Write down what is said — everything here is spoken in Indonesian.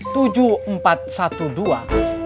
tujuh empat satu dua